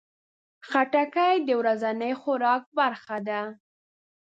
خټکی د ورځني خوراک برخه ده.